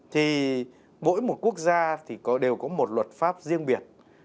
thì mỗi một quốc gia thì đều có một luật pháp riêng biệt